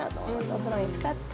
お風呂につかって。